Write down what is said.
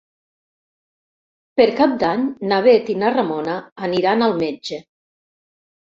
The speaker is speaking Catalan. Per Cap d'Any na Bet i na Ramona aniran al metge.